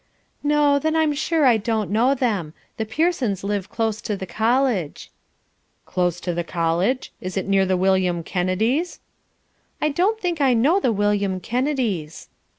"No, then I'm sure I don't know them. The Pearsons live close to the college." "Close to the College? Is it near the William Kennedys?" "I don't think I know the William Kennedys."